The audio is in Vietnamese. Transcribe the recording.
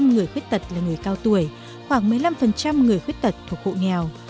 năm mươi người khuyết tật là người cao tuổi khoảng một mươi năm người khuyết tật thuộc hộ nghèo